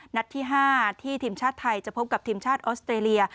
นัดที่๕ที่ทีมชาติไทยจะพบกับทีมชาติออสเตรเลีย